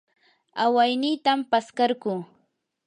awaynitam paskarquu.